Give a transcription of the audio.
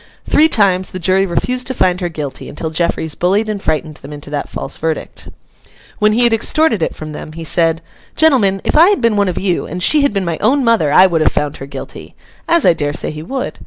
Three times the jury refused to find her guilty, until Jeffreys bullied and frightened them into that false verdict. When he had extorted it from them, he said, 'Gentlemen, if I had been one of you, and she had been my own mother, I would have found her guilty;'—as I dare say he would.